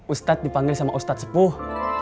ustaz dipanggil sama ustaz sepuh